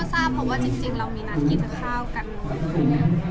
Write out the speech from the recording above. ทราบเพราะว่าจริงเรามีนัดกินข้าวกัน